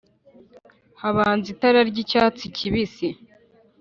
habanza itara ry’icyatsi kibisi